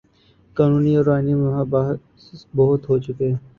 قانونی اور آئینی مباحث بہت ہو چکے۔